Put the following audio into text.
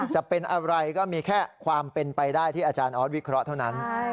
จะเป็นอะไรก็มีแค่ความเป็นไปได้ที่อาจารย์ออสวิเคราะห์เท่านั้น